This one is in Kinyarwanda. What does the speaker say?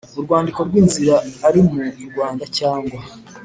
urwandiko rw inzira ari mu Rwanda cyangwa